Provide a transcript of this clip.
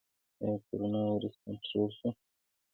آیا کرونا ویروس کنټرول شو؟